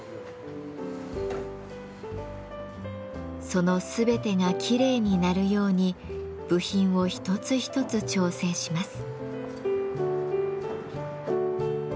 その全てがきれいに鳴るように部品を一つ一つ調整します。